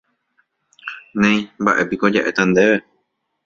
Néi, mba'épiko ja'éta ndéve.